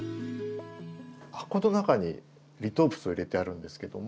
箱の中にリトープスを入れてあるんですけども。